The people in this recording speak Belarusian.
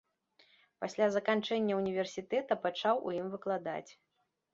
Пасля заканчэння ўніверсітэта пачаў у ім выкладаць.